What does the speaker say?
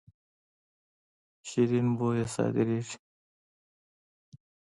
شیرین بویه صادریږي.